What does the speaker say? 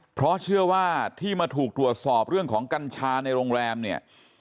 เพราะเชื่อว่าที่มาถูกตรวจสอบเรื่องของกัญชาในโรงแรมเนี่ย